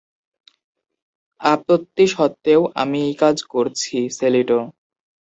আপত্তি সত্ত্বেও আমি এই কাজ করছি, সেলিটো।